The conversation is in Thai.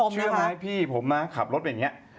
เชื่อไหมพี่ผมขับรถแบบนี้